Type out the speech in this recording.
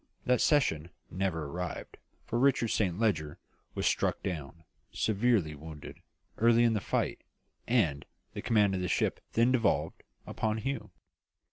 That season never arrived, for Richard Saint Leger was struck down, severely wounded, early in the fight, and the command of the ship then devolved upon Hugh.